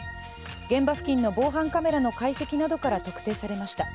現場付近の防犯カメラの解析などから特定されました。